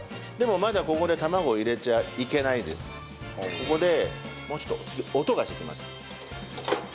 ここでもうちょっと次音がしてきます。